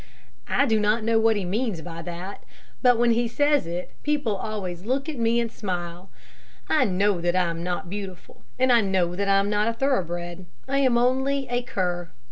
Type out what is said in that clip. I do not know what he means by that, but when he says it people always look at me and smile. I know that I am not beautiful, and I know that I am not a thoroughbred. I am only a cur.